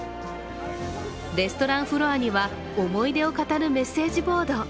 レストランフロアには思い出を語るメッセージボード。